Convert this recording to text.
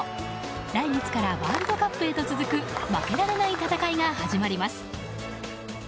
来月からワールドカップへと続く負けられない戦いが始まります。